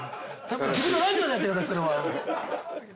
自分のラジオでやってくださいそれは。